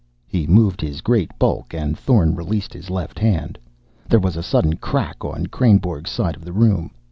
He moved his great bulk, and Thorn released his left hand. There was a sudden crack on Kreynborg's side of the room.